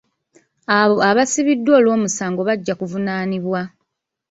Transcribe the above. Abo abaasibiddwa olw'omusango bajja kuvunaanibwa